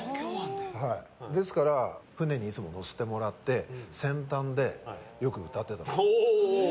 ですから、船にいつも乗せてもらって先端でよく歌ってたんです。